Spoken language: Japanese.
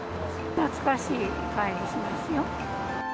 懐かしい感じしますよ。